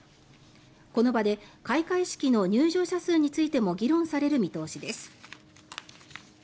この場で開会式の入場者数についても議論される見通しです。